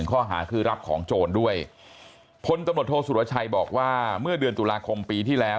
ข้อหาคือรับของโจรด้วยพลตำรวจโทษสุรชัยบอกว่าเมื่อเดือนตุลาคมปีที่แล้ว